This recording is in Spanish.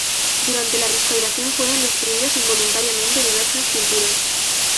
Durante la restauración fueron destruidas involuntariamente diversas pinturas.